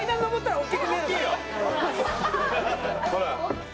ほら！